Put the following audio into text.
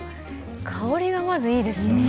香りがまず、いいですね。